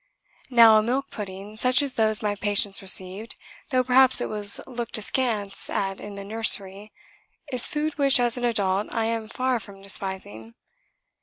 Now a milk pudding, such as those my patients received, though perhaps it was looked askance at in the nursery, is food which, as an adult, I am far from despising.